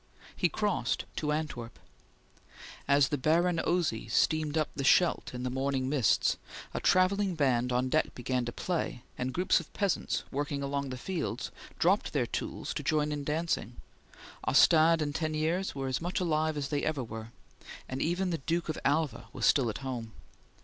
He crossed to Antwerp. As the Baron Osy steamed up the Scheldt in the morning mists, a travelling band on deck began to play, and groups of peasants, working along the fields, dropped their tools to join in dancing. Ostade and Teniers were as much alive as they ever were, and even the Duke of Alva was still at home.